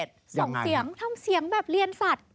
ส่งเสียงทำเสียงแบบเรียนสัตว์